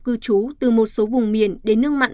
cư trú từ một số vùng miền đến nước mặn